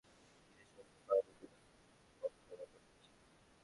কিন্তু শ্রমিকেরা কাজে যোগ দিতে গিয়ে শুনতে পান কর্তৃপক্ষ বেতন দিচ্ছে না।